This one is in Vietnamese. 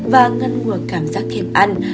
và ngăn nguồn cảm giác kèm ăn